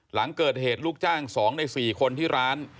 หลังเกิดเหตุลูกจ้าง๒ใน๔คนที่ร้าน